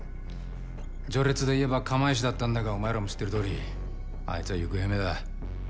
序列で言えば釜石だったんだがお前らも知ってるとおりあいつは行方不明だ。